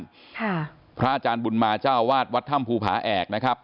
ค่ะพระอาจารย์บุญมาเจ้าวาดวัดถ้ำภูผาแอกนะครับ